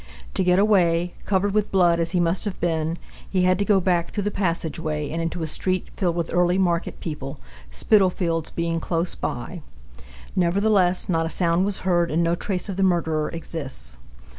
To get away, covered with blood as he must have been, he had to go back through the passageway and into a street filled with early market people, Spitalfields being close by. Nevertheless, not a sound was heard and no trace of the murderer exists.